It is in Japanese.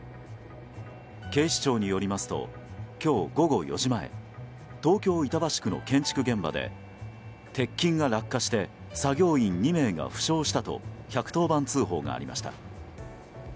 警視庁によりますと今日午後４時前東京・板橋区の建設現場で鉄筋が落下して作業員２名が負傷したと１１０番通報がありました。